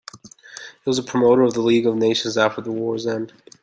It was a promoter of the League of Nations after the war's end.